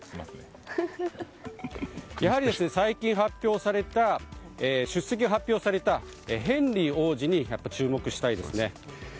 やはり最近出席が発表されたヘンリー王子に注目したいですね。